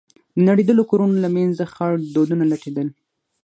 د نړېدلو کورونو له منځه خړ دودونه لټېدل.